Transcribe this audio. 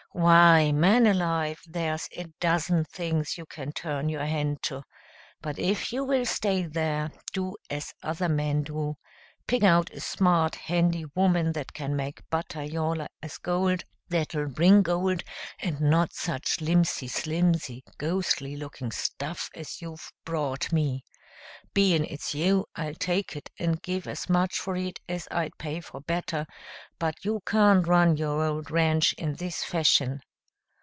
Why, man alive, there's a dozen things you can turn your hand to; but if you will stay there, do as other men do. Pick out a smart, handy woman that can make butter yaller as gold, that'll bring gold, and not such limpsy slimsy, ghostly looking stuff as you've brought me. Bein' it's you, I'll take it and give as much for it as I'd pay for better, but you can't run your old ranch in this fashion."